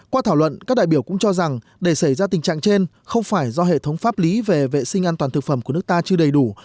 qua thảo luận các đại biểu cũng cho rằng để xảy ra tình trạng trên không phải do hệ thống pháp lý về vệ sinh an toàn thực phẩm của nước ta chưa đầy đủ